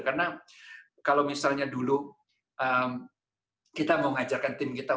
karena kalau misalnya dulu kita mengajarkan tim kita